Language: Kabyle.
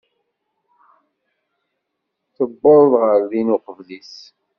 Tuweḍ ɣer din uqbel-is.